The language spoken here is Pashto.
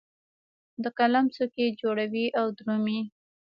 د قلم څوکې جوړوي او درومې